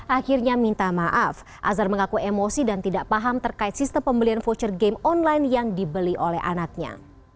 akhirnya minta maaf azhar mengaku emosi dan tidak paham terkait sistem pembelian voucher game online yang dibeli oleh anaknya